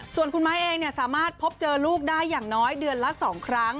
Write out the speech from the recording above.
ส่วนคุณไม้เองสามารถพบเจอลูกได้อย่างน้อยเดือนละ๒ครั้ง